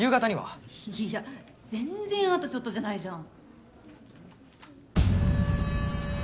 いや全然あとちょっとじゃないじゃん。